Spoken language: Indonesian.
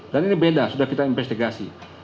dan ini beda sudah kita investigasi